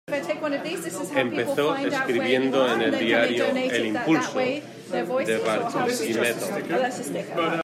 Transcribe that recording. Empezó escribiendo en el diario "El Impulso" de Barquisimeto.